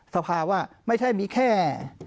สภาว่าไม่ใช่มีแค่